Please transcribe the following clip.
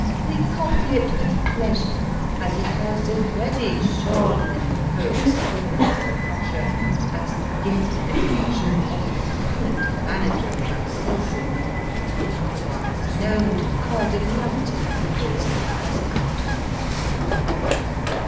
We copy it with pleasure, as it has already shone in the " Poet s Corner " of the Crusher as the gifted effusion of the talented Manager of the Excelsior Mill, other wise kno\vn to our delighted readers as " Outcrop."